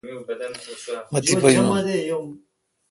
مہ تیپہ یون۔